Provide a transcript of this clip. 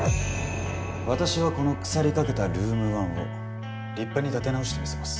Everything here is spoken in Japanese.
私はこの腐りかけたルーム１を立派に立て直してみせます。